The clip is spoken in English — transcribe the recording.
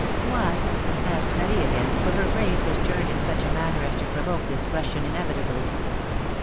^^ ^^AVhy?^^ asked Marie again, for her phrase was turned in such a manner as to provoke this question inevitably.